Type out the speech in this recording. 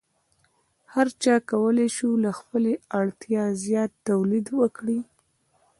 هر چا کولی شو له خپلې اړتیا زیات تولید وکړي.